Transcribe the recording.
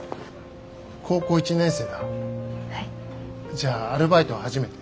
じゃあアルバイトは初めて？